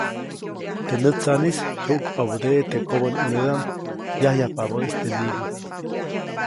Teʼ nätsaʼnis jyuʼkpabädeʼe teʼ kobänʼunedaʼm yajyajpabäʼis teʼ nibi.